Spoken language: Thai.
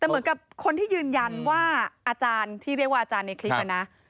แต่เหมือนกับคนที่ยืนยันว่าอาจารย์ที่เรียกว่าอาจารย์ในคลิปนะ